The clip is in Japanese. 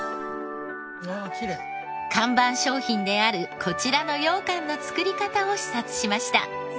看板商品であるこちらのようかんの作り方を視察しました。